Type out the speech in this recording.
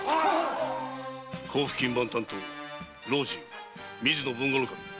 甲府勤番担当老中・水野豊後守。